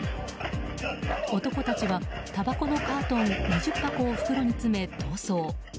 男たちは、たばこのカートン２０箱を袋に詰め、逃走。